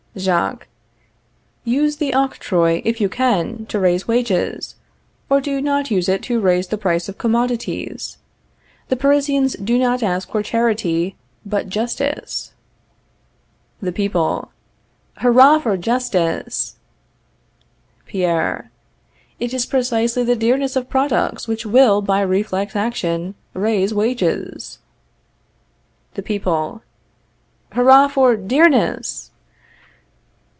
Jacques. Use the octroi, if you can, to raise wages, or do not use it to raise the price of commodities. The Parisians do not ask for charity, but justice. The People. Hurrah for JUSTICE! Pierre. It is precisely the dearness of products which will, by reflex action, raise wages. The People. Hurrah for DEARNESS!